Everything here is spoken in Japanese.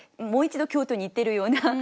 もう一度京都に行ってるような